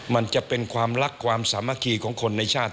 มันจะเป็นความรักความสามัคคีของคนในชาติ